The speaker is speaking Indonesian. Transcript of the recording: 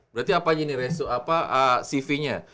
berarti apa ini resu apa cvnya